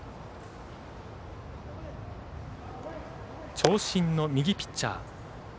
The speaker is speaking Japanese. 長身の右ピッチャー。